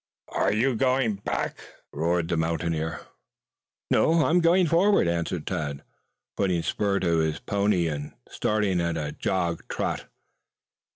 "Are you going back?" roared the mountaineer. "No, I'm going forward," answered Tad, putting spur to his pony and starting at a jog trot.